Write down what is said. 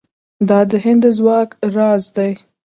دا د هند د ځواک راز دی.